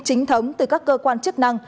chính thống từ các cơ quan chức năng